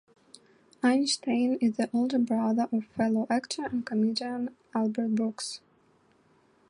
Einstein is the older brother of fellow actor and comedian Albert Brooks.